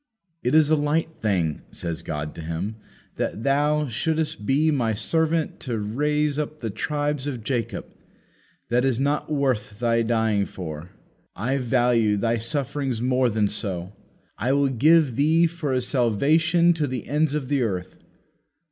'It is a light thing,' says God to Him, 'that Thou shouldest be My servant to raise up the tribes of Jacob that is not worth Thy dying for. I value Thy sufferings more than so. I will give Thee for a salvation to the ends of the earth.'